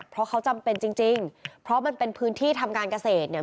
เพราะเขาจำเป็นจริงจริงเพราะมันเป็นพื้นที่ทำการเกษตรเนี่ย